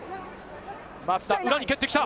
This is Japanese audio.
松田、裏に蹴ってきた、